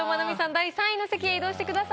第３位の席へ移動してください。